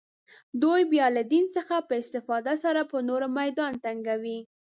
دوی بیا له دین څخه په استفاده سره پر نورو میدان تنګوي